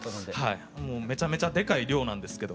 もうめちゃめちゃでかい量なんですけど。